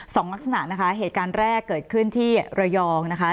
สองลักษณะนะคะเหตุการณ์แรกเกิดขึ้นที่ระยองนะคะ